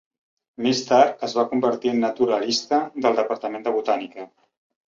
Més tard es va convertir en naturalista del departament de botànica.